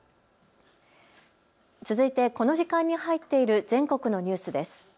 続いてこの時間に入っている全国のニュースです。